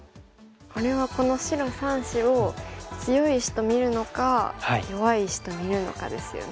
これはこの白３子を強い石と見るのか弱い石と見るのかですよね。